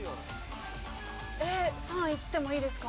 えっ３いってもいいですか？